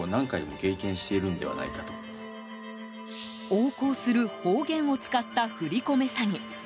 横行する方言を使った振り込め詐欺。